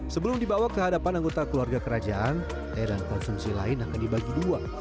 sebelum dibawa ke hadapan anggota keluarga kerajaan teh dan konsumsi lain akan dibagi dua